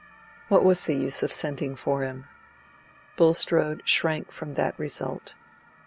What was the use of sending for him? Bulstrode shrank from that result.